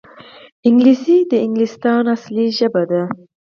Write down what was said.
انګلیسي د انګلستان اصلي ژبه ده